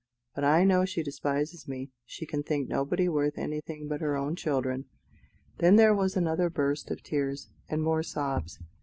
But I know she despises me; she can think nobody worth anything but her own children:" then there was another burst of tears, and more sobs.